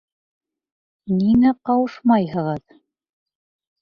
Ниңә ҡауышмайһығыҙ?